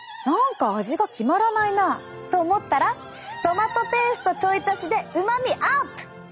何か味が決まらないなと思ったらトマトペーストちょい足しでうまみアップ！